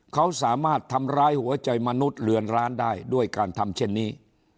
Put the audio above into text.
เขาสามารถทำร้ายหัวใจมนุษย์เรือนร้านได้ด้วยการทำเช่นนี้